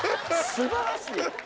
素晴らしいよ。